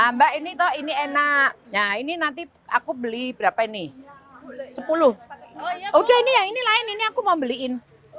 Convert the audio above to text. mbak ini toh ini enak nah ini nanti aku beli berapa ini sepuluh udah ini yang ini lain ini aku mau beliin